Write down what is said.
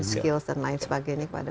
skills dan lain sebagainya kepada